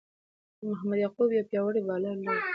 محمد یعقوب یو پياوړی بالر وو.